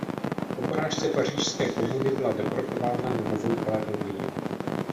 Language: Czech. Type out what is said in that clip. Po porážce Pařížské komuny byla deportována na Novou Kaledonii.